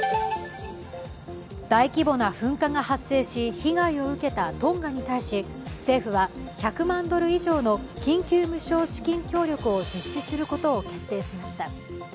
大規模な噴火が発生し被害を受けたトンガに対し政府は１００万ドル以上の緊急無償資金協力を実施することを決定しました。